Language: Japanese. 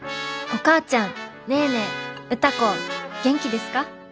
「お母ちゃんネーネー歌子元気ですか？